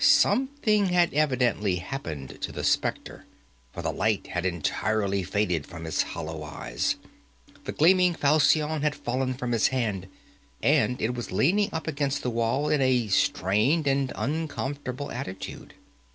Something had evidently happened to the spectre, for the light had entirely faded from its hollow eyes, the gleaming falchion had fallen from its hand, and it was leaning up against the wall in a strained and uncomfortable attitude.